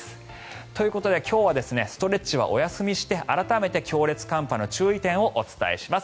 ということで今日はストレッチはお休みして改めて強烈寒波の注意点をお伝えします。